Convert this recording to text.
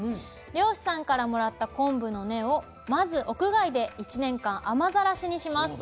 漁師さんからもらった昆布の根をまず屋外で１年間雨ざらしにします。